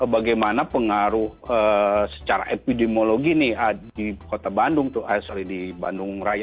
bagaimana pengaruh secara epidemiologi di bandung raya